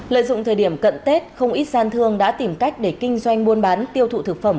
lợi dụng thời điểm cận tết không ít gian thương đã tìm cách để kinh doanh buôn bán tiêu thụ thực phẩm